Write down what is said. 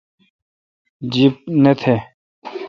جب نہ تھ